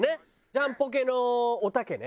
ジャンポケのおたけね。